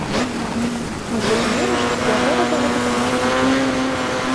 Мы зразумелі што для горада гэта, канечне, усё.